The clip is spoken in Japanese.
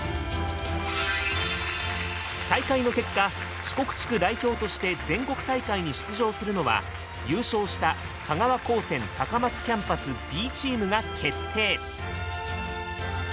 大会の結果四国地区代表として全国大会に出場するのは優勝した香川高専高松キャンパスＢチームが決定。